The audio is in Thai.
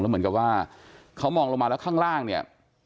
เหมือนกับว่าเขามองลงมาแล้วข้างล่างเนี่ย